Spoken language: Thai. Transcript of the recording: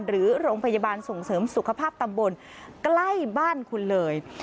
หรือโรงพยาบาลส่งเสริมสุขภาพตำบลใกล้บ้านคุณเลย